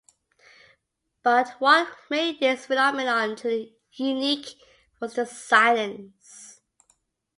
But what made this phenomenon truly unique was the silence.